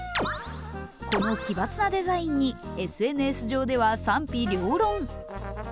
この奇抜なデザインにＳＮＳ上では賛否両論。